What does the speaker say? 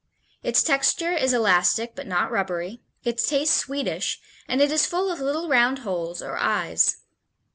Its texture is elastic but not rubbery, its taste sweetish, and it is full of little round holes or eyes.